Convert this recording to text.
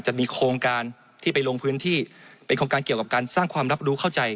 จะมีโครงการที่ไปลงพื้นที่เป็นโครงการเกี่ยวกับการสร้างความรับรู้เข้าใจ